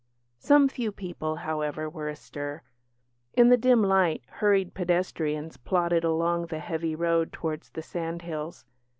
Some few people, however, were astir. In the dim light hurried pedestrians plodded along the heavy road towards the sandhills.